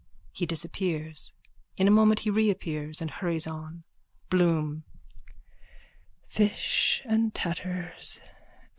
He disappears. In a moment he reappears and hurries on.)_ BLOOM: Fish and taters.